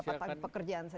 mendapatkan pekerjaan saja